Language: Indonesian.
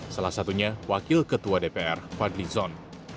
salah satunya wakil ketua dpr fadli zon